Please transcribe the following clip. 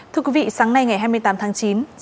thưa quý vị sáng nay ngày hai mươi tám tháng chín